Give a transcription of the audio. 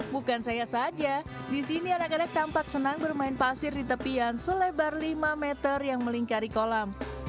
bukan saya saja di sini anak anak tampak senang bermain pasir di tepian selebar lima meter yang melingkari kolam